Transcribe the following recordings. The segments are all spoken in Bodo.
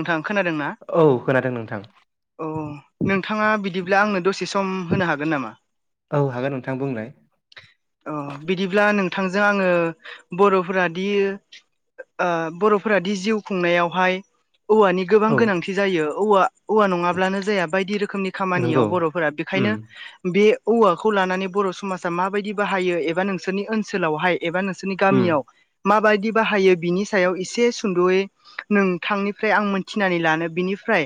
नोंथाङा खोनादों ना औ खोनादों नोंथां अ नोंथाङा बिदिब्ला आंनो दसे सम' होनो हागोन नामा औ हागोन नोंथां बुंलाय अ बिदिब्ला नोंथांजों आङो बर'फोरादि ओ बर'फोरादि जिउ खुंनायावहाय औवानि गोबां औ गोनांथि जायो औवा औवा नङाब्लानो जाया बायदि रोखोमनि खामानियाव नंगौ बर'फोरा बेखायनो उम बे औवाखौ लानानै बर' समाजा माबायदि बाहायो एबा नोंसोरनि ओनसोलावहाय एबा नोंसोरनि उम गामियाव माबायदि बाहायो बिनि सायाव एसे सुद'यै नोंथांनि फ्राय आं मोनथिनानै लानो बिनिफ्राय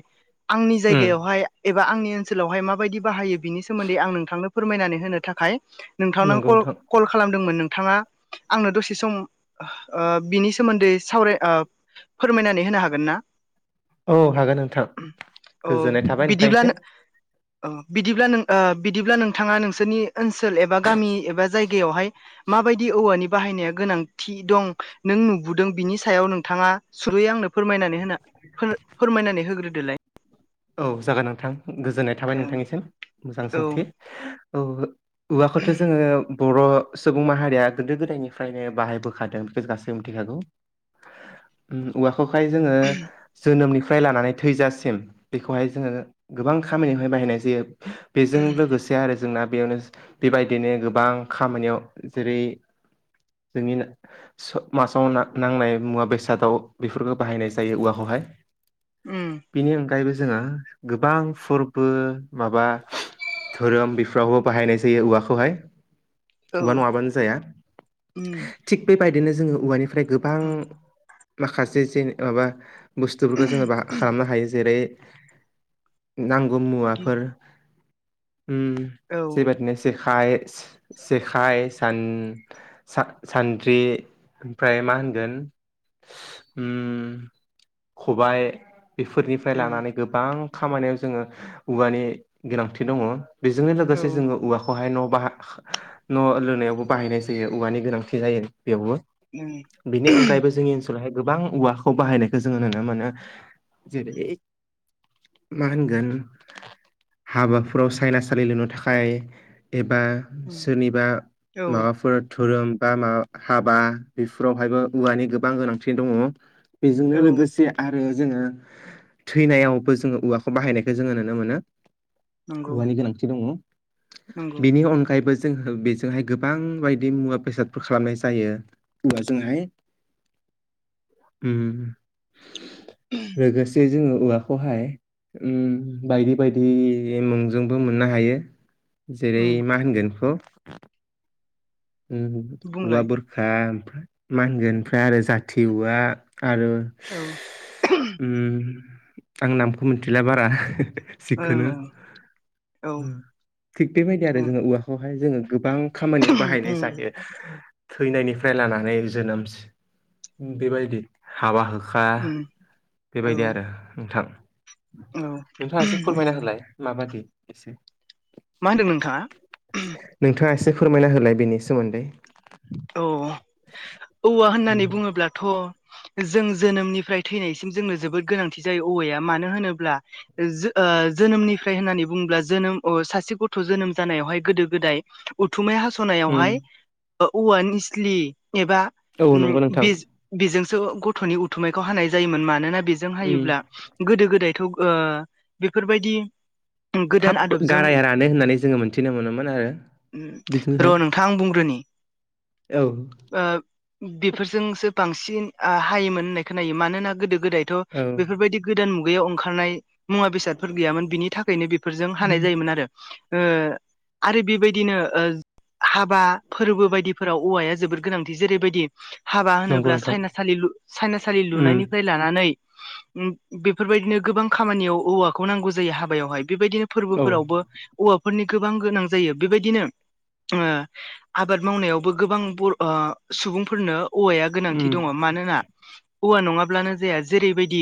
आंनि उम जायगायावहाय एबा आंनि ओनसोलावहाय माबायदि बाहायो बिनि सोमोन्दै आं नोंथांनो फोरमायनानै होनो थाखाय नोंथांनाव नंगौ कल नोंथां कल खालामदोंमोन नोंथाङा आंनो दसे सम' ओ बिनि सोमोन्दै सावराय ओ फोरमायनानै होनो हागोन ना औ हागोन नोंथां अ गोजोननाय थाबाय नोंथांनिसिम बिदिब्लानो औ बिदिब्ला नों ओ बिदिब्ला नोंथाङा नोंसोरनि ओनसोल एबा' गामि एबा' जायगायावहाय माबायदि औवानि बाहायनाया गोनांथि दं नों नुबोदों बिनि सायाव नोंथाङा सुंदयै आंनो फोरमायनानै होनो फोर फोरमायनानै होग्रोदोलाय औ जागोन नोंथां गोजोननाय थाबाय औ नोंथांनिसिम मोजां सोंथि औ औवाखौथ' जोङो बर' सुबुं माहारिया गोदो गोदायनिफ्रायनो बाहायबोखादों बेखौ गासैबो मिथिखागौ [inaudible] उमऔवा'खौहाय जोङो जोनोमनिफ्राय लानानै थैजासिम बेखौहाय जोङो गोबां खामानियावहाय बाहायनाय जायो बेजों लोगोसे जाया आरो जोंना बेयावनो बेबायदिनो गोबां खामानियाव जेरै जोंनिनो समासाव नांनाय मुवा बेसादाव बेफोरखौ बाहायनाय जायो औवा'खौहाय उम बिनि अनगायैबो जोङो गोबां फोरबो माबा धोरोम बेफ्रावबो बाहायनाय जायो औवा'खौहाय औ औवा'नङाबानो जाया उम थिग बेबायदिनो जोङो औवानिफ्राय गोबां औ ओं माखासे जें माबा बुस्थुफोरखौ जोङो माबा खालामनो हायो जेरै नांगौ मुवाफोर उम जेबादिनो जेखाइ' सेखाय सान सा-सान्द्रि ओमफ्राय मा होनगोन उम खबाय बेफोर निफ्राय औ लानानै गोबां खामानियाव जोङो औवानि गोनांथि दङ। बेजोंनो लोगोसे जोङो औवा खौहाय न' बाह न' लुनायावबो बाहायनाय जायो औवा'नि गोनांथि जायो। बेवबो बिनि अनगायैबो जोङि ओनसोलाव बेहाय गोबां औवा'खौ बाहायनायखौ जोङो नुनो मोनो जेरै मा होनगोन हाबाफोराव सायना सालि लुनो थाखाय एबा सोरनिबा ओं औ माबाफोर धोरोम बा मा हाबा बेफोरावहायबो औवानि गोबां गोनांथि दङ। बेजोंनो औ लोगोसे आरो जोङो थैनायावबो जोङो औवाखौ बाहायनायखौ जोङो नुनो मोनो नंगौ औवानि गोनांथि दङ। नंगौ बेनि अनगायैबो जोंङो बेजोंहाय गोबां बायदि मुवा बेसादफोर खालामनाय जायो। जोंहाय उम लोगोसे जे जोङो औवाखौहाय उम बायदि बायदि मुंजोंबो मोननो हायो। जेरै उम मा होनगोन बेखौ औवा बुंलाय बुर खा मा होनगोन ओमफ्राय आरो जाथि औवा आरो औ उम आं नामखौ मिथिला बारा ओं जिखुनो ओं औ थिग बेबायदि आरो ओं जोङो औवाखौहाय जोङो गोबां खामानियाव बाहायनाय उम जायो। थैनायनिफ्राय लानानै जोनोमस बेबायदि हाबा होखा उम बेबायदि आरो औ नोंथां। औ नोंथाङा एसे उम फोरमायना होलाय माबादि एसे मा होनदों नोंथाङा? नोंथाङा एसे फोरमायना होलाय बेनि सोमोन्दै। औ औवा होननानै उम बुङोब्लाथ' जों जोनोमनिफ्राय थैनायसिम जोंनो जोबोद गोनांथि जायो औवाया मानो होनोब्ला जो-जोनोमनिफ्राय होननानै बुङोब्ला जोनोम सासे गथ' जोनोम जानायावहाय गोदो गोदाय उथुमाय उम हास'नायावहाय औवा निस्लि एबा औ उम नंगौ नोंथां बि बेजोंसो गथ'नि उथुमायखौ हानाय जायोमोन मानोना बेजों उम हायोब्ला गोदो गोदायथ' बेफोरबायदि गोदान थाब आदबजों गाराया रानो होननानै जोङो मोनथिनो मोनोमोन आरो उम र' बिदिनोहाय नोंथां आं बुंग्रोनि औ ओ बेफोरजोंसो बांसिन हायोमोन होननाय खोनायो मानोना गोदो गोदाय थ औ बेफोरबायादि गोदान मुगायावायाव ओंखारनाय मुवा बेसादफोर गैयामोन बिनि था खायनो बेफोरजों हानाय जायोमोन आरो आरो बेबायदिनो हाबा फोरबो बायदिफोराव औवाया जोबोद गोनांथि जेरैबायदि हाबा नंगौ होनोब्ला नोंथां साइनासालि लु-साइनासालि उम लुनायनिफ्राय लानानै बेफोरबायदिनो गोबां खामानियाव औवाखौ नांगौ जायो हाबायावहाय बेबायदिनो औ फोरबोफोरावबो औवाफोरनि गोबां गोनां जायो बेबायदिनो आबाद मावनायावबो गोबां बर' सुबुंफोरनो औवाया उम गोनांथि दङ मानोना औवा नङाब्लानो जाया जेरैबायदि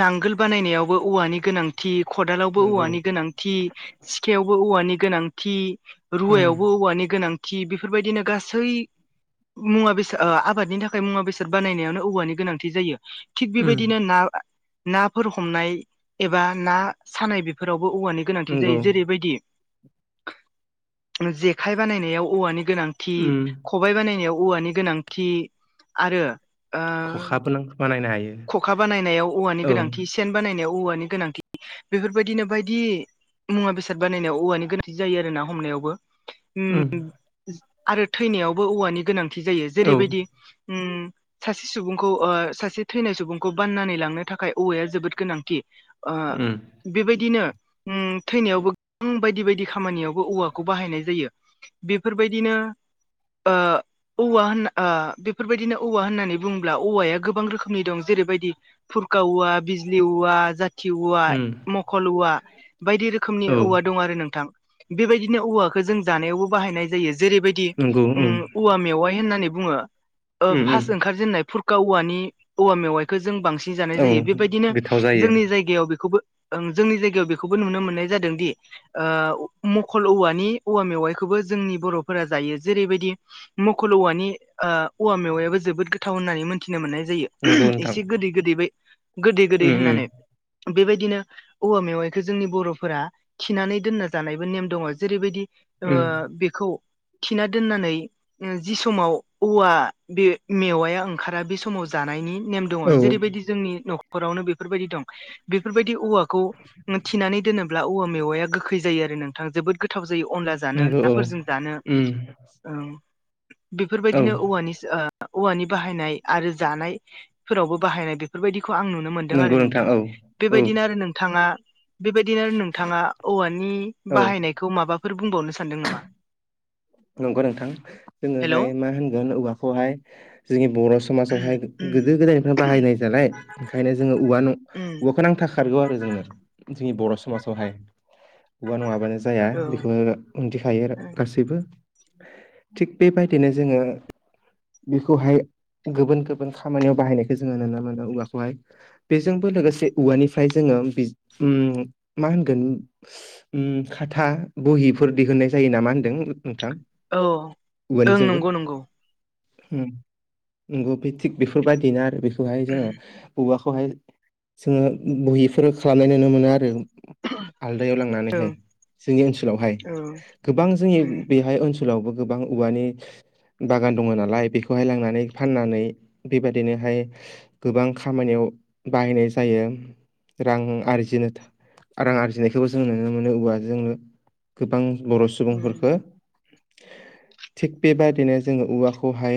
नांगोल बानायनायावबो औवानि गोनां थि खदालावबो नंगौ औवानि गोनांथि सिखायावबो औवानि गोनांथि। उम रुवायावबो औवानि गोनांथि बेफोरबायदिनो गासै मुवा बेसाद आबादनि थाखाय मुवा बेसाद बानायनायावनो औवानि गोनांथि जायो। थिग उम बेबायदिनो ना नाफोर हमनाय एबा ना सानाय बेफोरावबो औवानि गोनांथि जायो नंगौ जेरैबायदि जेखाय बानायनायाव औवानि गोनां थि उम। खबाय बानायनायाव औवानि गोनांथि आरो ओ खखाबो नों बानायनो हायो खखा बानायनायाव औवानि औ गोनांथि एसे सेन बानायनाय औवानि गोनांथि बेफोरबायदिनो बायदि मुवा बेसाद बानायनायाव औवानि गोनांथि जायो आरो ना हमनायावबो उम आरो थैनायावबो औवानि गोनांथि जायो औ जेरैबायदि उम सासे सुबुंखौ ओ सासे थैनाय सुबुंखौ बाननानै लांनो थाखाय औवाया जोबोद गोनांथि। आ उम बेबायदिनो उम थैनायावबो गोबां बायदि बायदि खामानियावबो औवाखौ बाहायनाय जायो। बेफोरबायदिनो ओ औवा होनना ओ बेफोरबायदिनो औवा होननानै बुङोब्ला औवाया गोबां रोखोमनि दं जेरैबायदि फुरखा औवा बिजलि औवा जा थि औवा उम मखल औवा बायदि रोखोमनि औ औवा दं आरो नोंथां। बेबायदिनो औवाखो जों जानायावबो बाहायनाय जायो जेरैबायद दि उम औवा मेवाय होननानै बुङो ओ उम उम फास ओंखार जेनाय फुर खावानि औवा मेवायखौ जों बांसिन जानाय औ जायो बेबायदिनो गोथाव जायो जोंनि जाय जायगायाव बेखौबो जोंनि जायगायाव बेखौबो नुनो मोननाय जादों दि ओ मखल औवानि औवा मेवाइखोबो जोंनि बर'फोरा जायो जेरैबायदि मखल औवानि ओ औवा मेवायाबो जोबोद गोथाव होननानै मोन्थिनो मोननाय जायो। नंगौ नोंथां एसे गोदै गोदै बाय गोदै गोदै उम उम होननानै बेबायदिनो औवा मेवायखो जोंनि बर'फोरा थिनानै दोनना जानायबो नेम दङ जेरैबायदि ओ उम बेखौ थिना दोननानै जि समाव औवा बे मेवाया ओंखारा बे समाव जानायनि नेम दङ औ जेरैबादि जोंनि न'खरावनो बेफोर बादि दं बेफोर बादि औवाखौ थिनानै दोनोब ब्ला औवा मेवाया गोखै जायो आरो नोंथां जोबोद गोथाव जायो अनला जानो नंगौ औ नाफोरजों जानो। उम ओं औ बेफोरबायदिनो औवानिस ओ औवानि बाहायनाय आरो जानायफोरावबो बाहायनाय बेफोरबायदिखौ आं नुनो मोन मोनदों आरो नंगौ नोंथां औ औ बेबायदिनो आरो नोंथाङा बेबायदिनो नोंथाङा औवानि औ बाहायनायखौ माबाफोर बुंबावनो सानदों नामा? नंगौ नोंथां हेलौ जोङोहाय मा होनगोन औवाखौहाय जोंनि बर' समाजावहाय गोदो गोदायनिफ्राय बाहायनाय जालाय ओंखायनो जोङो औवा न' अवाखै नांथाखा खाथारगौ आरो जोंनो जोंनि बर' समाजावहाय औवा नङाबानो जाया औ बेखौ उन्थिखायो गासैबो थिग बेबायदिनो जोङो बेखौहाय गुबुन गुबुन खामानियाव बाहायनायखो जोङो नुनो मोनो औवाखौहाय। बेजोंबो लोगोसे औवानिफ्राय जोङो बेजो उम मा होनगोन उम खाथा बहिफोर दिहुननाय जायो नामा होनदों नोंथां। औ। ओं औवानिजोंबो नंगौ नंगौ उम नंगौ बे थिग बेफोरबायदिनो आरो बे खौहाय जोङो ओं औवाखौहाय जोङो बहिफोर खालामनाय नुनो मोनो आरो। आलदायाव औ लांनानैहाय जोंनि ओनसोलावहाय गोबां जोंनि ओं बेहाय ओन सोलावबो गोबां औवानि बागान दङ नालाय बेखौहाय लांनानै फाननानै बेबायदिनोहाय गोबां खामानियाव बाहायनाय जायो रां आरजिनो रां आरजिनायखौबो जों नुनो मोनो औवाजोंनो गोबां बर' सुबुंफोरखो थिग बेबायादिनो जोङो औवाखौहाय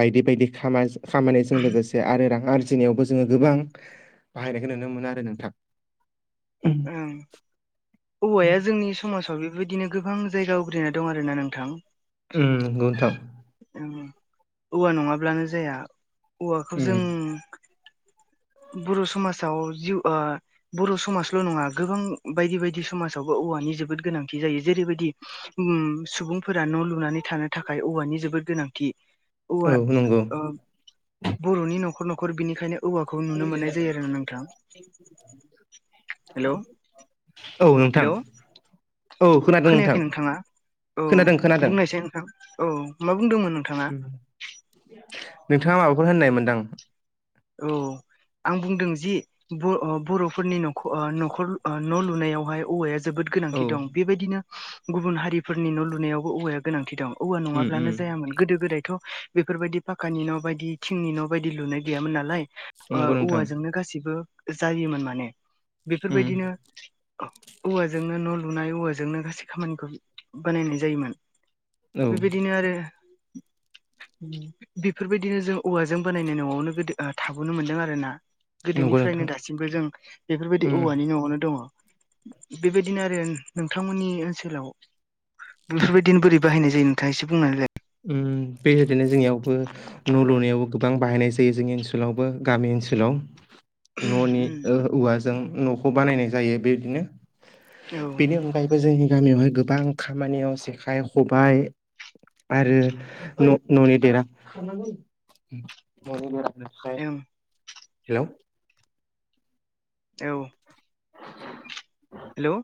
बायदि बायदि खामाजो खामानिजों लोगोसे आरो रां आरजिनायावबो जोङो गोबां बाहायनायखौ नुनो मोनो आरो नोंथां। ओं औवाया जोंनि समाजाव बे बेबायदिनो गोबां जायगा आवग्रिना दं आरोना नोंथां। ओम बुंथां औवा नङाब्लानो जाया औवाखौ जों उम बर' समाजाव जिउ ओ बर' समाजल' नङा गोबां बायदि बायदि समाजावबो औवानि जोबोद गोनांथि जायो जेरैबायदि उम सुबुंफोरा न' लुनानै थानो थाखाय औवानि जोबोद गोनांथि। औवा औ नंगौ ओ बर'नि न'खर न'खर बेनिखायनो औवा खौ नुनो मोननाय जायो आरोना नोंथां हेलौ औ नोंथां हेलौ औ खोनादों नोंथां खोनायाखै नोंथाङा औ खोनादों खोनादों बुंनायसै नोंथां औ मा बुंदोंमोन नोंथाङा नोंथाङा माबाफोर होननाय मोनदां औ आं बुंदों जि ब ओ बर'फोरनि नरख ओ न'खर न' लुनायावहाय औवाया जोबोद औ गोनांथि दं बेबायदिनो गुबुन हारिफोरनि न' लुनायावबो औवाया गोनांथि दं औवा उम नङाब्लानो उम जायामोन गोदो गोदायथ' बेफोरबायदि पाकानि न' बायदि थिंनि न' बायदि लुनाय गैयामोन नालाय ओ नंगौ नोंथां औवाजोंनो गासिबो जायोमोन माने उम बेफोरबायदिनो औवाजोंनो न' लुनाय औवाजोंनो गासै खामानिफोरखौ बानायनाय जायोमोन औ बेबायदिनो आरो बेफोरबायदिनो जों औवाजों बानायनाय न'आवनो गोदो ओ थाबोनो मोन्दों आरो ना नंगौ गोदोनिफ्रायनो नोंथां दासिमबो जों बेफोरबायदि उम औवानि न'आवनो दङ बेबायदिनो आरो नोंथांमोननि ओनसोलाव बेफोरबायदिनो बोरै बाहायनाय जायो नोंथाङा एसे बुंना होलाय ओम बेबायदिनो जोंनियावबो न' लुनायावबो गोबां बाहायनाय जायो जोंनि ओनसोलावबो गामि ओनसोलाव न'नि ओ औवाजों न'खौ बानायनाय जायो बेदिनो औ ओं बेनि अनगायै जोंनि गामियावहाय गोबां खामानियाव जेखाइ खबायाइ आरो न न'नि देरा हेल' औ [unintelligible] हेल'